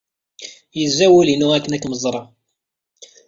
Yezza wul-inu akken ad kem-ẓreɣ.